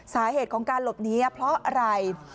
สาเหตุของการหลบนี้เพราะอะไร